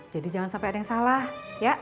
jadi jangan sampai ada yang salah ya